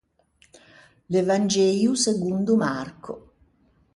L’Evangëio segondo Marco.